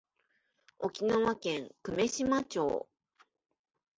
沖縄県久米島町